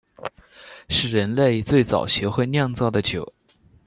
是人类最早学会酿造的酒。